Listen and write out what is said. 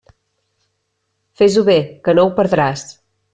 Fes-ho bé, que no ho perdràs.